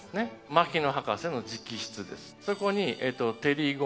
牧野博士の直筆です。